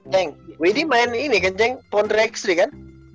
ceng widy main ini kan ceng pounder x tiga kan